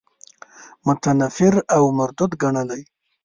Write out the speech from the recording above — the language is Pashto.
متنفر او مردود ګڼلی.